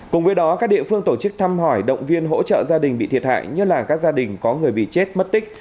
cùng với đó các địa phương tổ chức thăm hỏi động viên hỗ trợ gia đình bị thiệt hại nhất là các gia đình có người bị chết mất tích